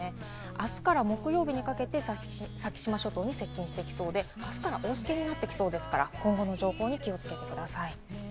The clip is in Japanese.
あすから木曜日にかけて先島諸島に接近してきそうで、あすから大しけになってきそうですから、今後の情報に気をつけてください。